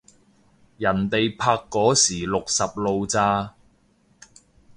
人哋拍嗰時六十路咋